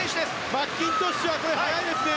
マッキントッシュも速いですね。